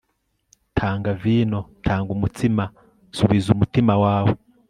tanga vino. tanga umutsima. subiza umutima wawe